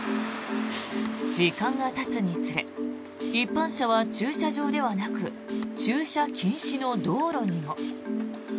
時間がたつにつれ一般車は駐車場ではなく駐車禁止の道路にも。